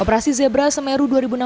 operasi zebra semeru dua ribu enam belas